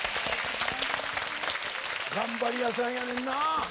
頑張り屋さんやねんな。